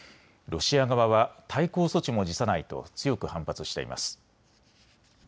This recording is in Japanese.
ロシア側は対抗措置も辞さないと強く反発しています。